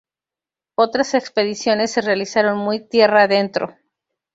Otras expediciones se realizaron muy tierra adentro.